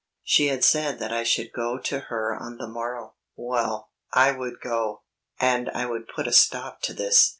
She had said that I should go to her on the morrow. Well, I would go, and I would put a stop to this.